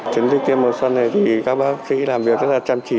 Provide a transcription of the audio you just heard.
chiến dịch tiêm mùa xuân này thì các bác sĩ làm việc rất là chăm chỉ